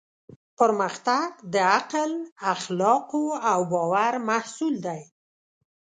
پرمختګ د عقل، اخلاقو او باور محصول دی.